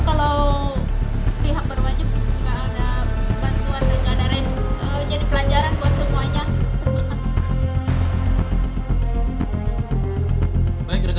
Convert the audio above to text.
mungkin nggak akan pernah terungkap